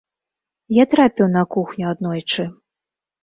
Я трапіў на кухню аднойчы.